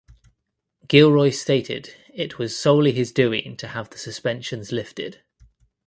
Gilroy stated it was solely his doing to have the suspensions lifted.